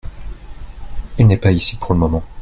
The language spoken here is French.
Il n'est pas ici pour le moment.